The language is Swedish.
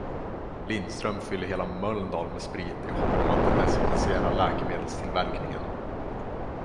Lindström fyller hela Mölndal med sprit i hopp om att desinficera läkemedelstillverkningen.